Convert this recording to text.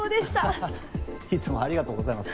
アハハいつもありがとうございます。